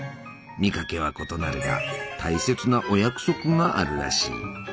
見かけは異なるが大切なお約束があるらしい。